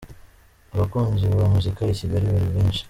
Abakunzi ba Muzika i Kigali bari benshi.